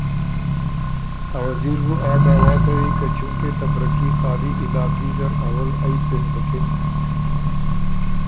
ا وزیر بُو آ دعوٰی کوی که چونکې ته برکي خالی علاقي زر اول ائ پلټک بُکِن